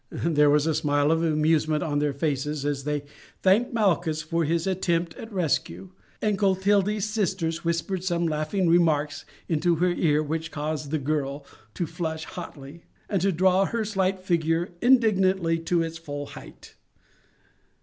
There was a smile of amusement on their faces as they thanked Malchus for his attempt at rescue, and Clotilde's sisters whispered some laughing remarks into her ear which caused the girl to flush hotly, and to draw her slight figure indignantly to its full height.